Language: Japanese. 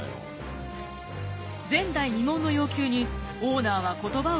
前代未聞の要求にオーナーは言葉を失います。